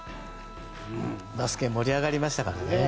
バスケ盛り上がりましたからね。